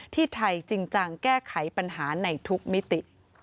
ที่ไทยจริงจังแก้ไขปัญหาในทุกมิติ